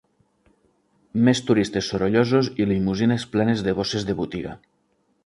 Més turistes sorollosos i limusines plenes de bosses de botiga.